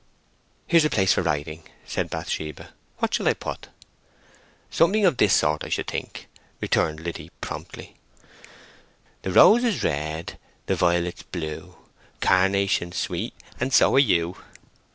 "Here's a place for writing," said Bathsheba. "What shall I put?" "Something of this sort, I should think," returned Liddy promptly:— "The rose is red, The violet blue, Carnation's sweet, And so are you."